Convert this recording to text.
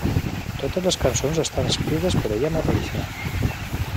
Totes les cançons estan escrites per ella mateixa.